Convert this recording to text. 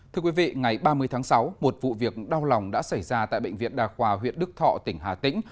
thưa quý vị ngày ba mươi tháng sáu một vụ việc đau lòng đã xảy ra tại bệnh viện đà khoa huyện đức thọ tỉnh hà tĩnh